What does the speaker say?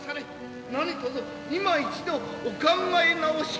何とぞいま一度お考え直しくだされ。